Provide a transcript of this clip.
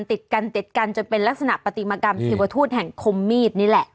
ติดกันติดกันจนเป็นลักษณะปฏิมากรรมเทวทูตแห่งคมมีดนี่แหละ